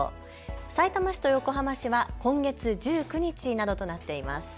さいたま市と横浜市は今月１９日などとなっています。